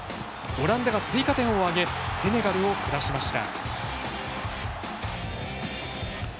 オランダが追加点を挙げセネガルを下しました。